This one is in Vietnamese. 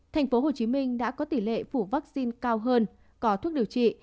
tp hcm đã có tỷ lệ phủ vaccine cao hơn có thuốc điều trị